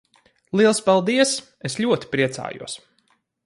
Liels paldies! Es ļoti priecājos!